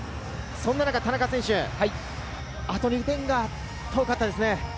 そんな中、田中選手、あと２点が遠かったですね。